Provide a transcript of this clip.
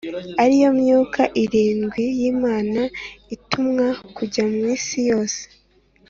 ari yo Myuka irindwi y’Imana itumwa kujya mu isi yose.